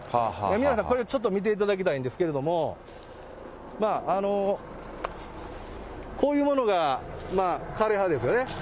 宮根さん、これちょっと見ていただきたいんですけど、こういうものが枯れ葉ですよね。